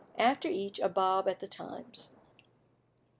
After each a bob at the times."